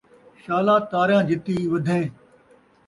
شالا تاریاں جتّی ودھیں